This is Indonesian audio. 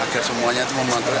agar semuanya memantul